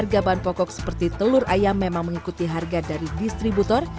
harga bahan pokok seperti telur ayam memang mengikuti harga dari distributor